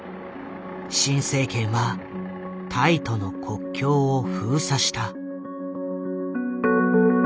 新政権はタイとの国境を封鎖した。